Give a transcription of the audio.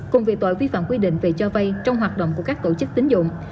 cùng về tội vi phạm quy định về cho vay trong hoạt động của các tổ chức tính dụng